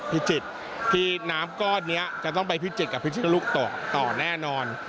พิจิตรที่น้ำก้อนนี้จะต้องไปพิจิตรกับพิศนุตกต่อแน่นอน